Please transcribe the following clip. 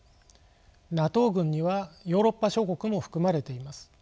ＮＡＴＯ軍にはヨーロッパ諸国も含まれています。